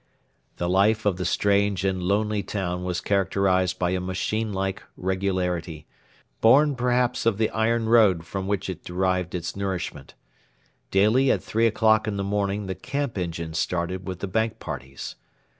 The life of the strange and lonely town was characterised by a machine like regularity, born perhaps of the iron road from which it derived its nourishment. Daily at three o'clock in the morning the 'camp engine' started with the 'bank parties.'